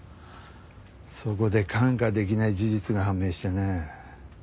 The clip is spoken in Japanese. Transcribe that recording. そこで看過できない事実が判明してね。